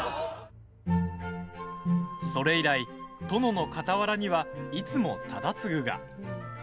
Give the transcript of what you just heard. それ以来殿の傍らには、いつも忠次が。